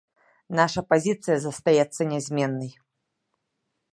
Наша пазіцыя застаецца нязменнай.